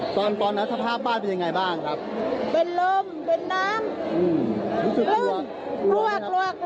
ตอนนั้นสภาพบ้านเป็นยังไงบ้างครับ